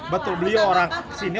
betul beliau orang sini